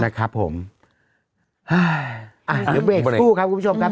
นะครับผมอ่าเดี๋ยวเบรกสู้ครับคุณผู้ชมครับ